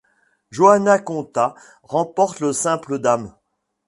Johanna Konta remporte le simple dames.